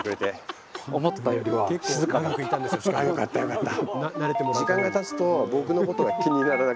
あよかったよかった。